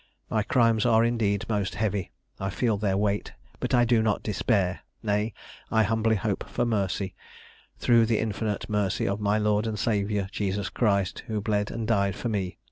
My crimes are, indeed, most heavy; I feel their weight, but I do not despair; nay, I humbly hope for mercy, through the infinite mercy of my Lord and Saviour Jesus Christ, who bled and died for me.